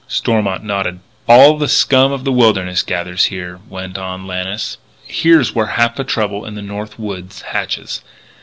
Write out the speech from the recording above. Stormont nodded. "All the scum of the wilderness gathers here," went on Lannis. "Here's where half the trouble in the North Woods hatches.